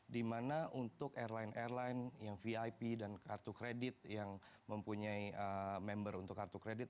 dimana untuk airline airline yang vip dan kartu kredit yang mempunyai member untuk kartu kredit